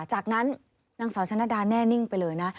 จากนั้นนางสาวชนะดาแน่นิ่งไปเลยนะ